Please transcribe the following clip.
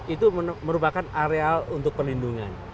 itu merupakan areal untuk pelindungan